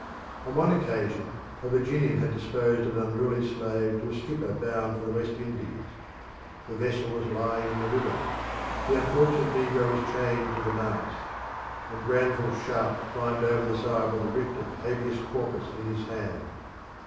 On one occasion a Virginian had disposed of an unruly slave to a skipper bound for the West Indies. The vessel was lying in the river; the unfortunate negro was chained to the mast; when Granville Sharp climbed over the side with a writ of Habeas Corpus in his hand.